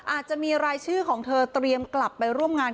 อาจจะมีรายชื่อของเธอเตรียมกลับไปร่วมงาน